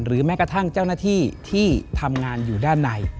แม้กระทั่งเจ้าหน้าที่ที่ทำงานอยู่ด้านใน